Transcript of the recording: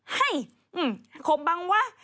เฮ้ยขมบังหว่ะ